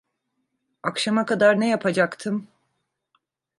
Akşama kadar ne yapacaktım?